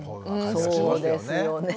そうですよね。